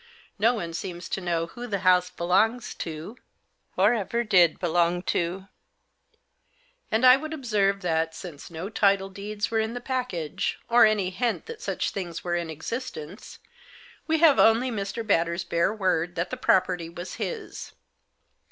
No one seems to know who the house belongs to, or ever did belong to; and I would observe that, since no title deeds were in the package, or any hint that such things were in existence, we have only Mr. Batters' bare word that the property was his.